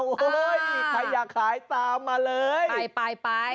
มีใครอยากขายตามมาเลย